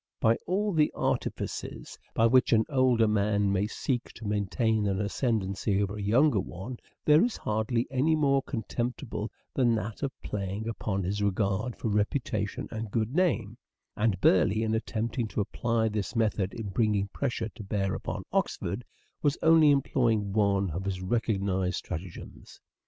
Of all the artifices by which an older man may seek to maintain an ascendancy over a younger one, there is hardly any more contemptible than that of playing upon his regard for reputation and good name ; and Burleigh, in attempting to apply this method in bringing pressure to bear upon Oxford, was only employing one of his recognized stratagems.